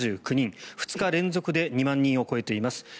２日連続で２万人を超えています。